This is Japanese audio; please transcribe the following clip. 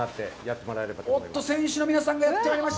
おっと、選手の皆さんがやってまいりました。